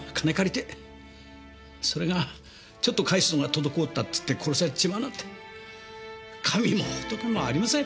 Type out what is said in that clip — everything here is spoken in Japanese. それがちょっと返すのが滞ったっつって殺されちまうなんて神も仏もありません。